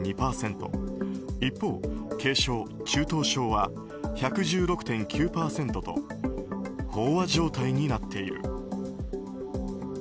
一方、軽症・中等症は１１６．９％と飽和状態になっている。